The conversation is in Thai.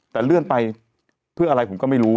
แต่เลื่อนไปเพื่ออะไรผมก็ไม่รู้